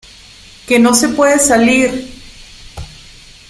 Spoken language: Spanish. ¡ que no se puede salir!